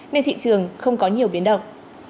nên thị trường không có nhiều biến động